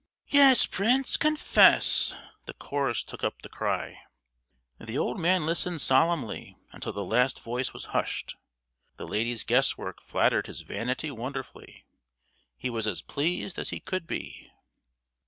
"Yes, Prince, confess!" the chorus took up the cry. The old man listened solemnly until the last voice was hushed. The ladies' guesswork flattered his vanity wonderfully; he was as pleased as he could be.